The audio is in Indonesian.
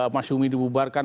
mas yumi dibubarkan